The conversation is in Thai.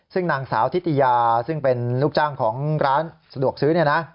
ซึ่งนางสาวทิติยาซึ่งเป็นลูกจ้างของร้านสะดวกซื้อเนี่ยนะ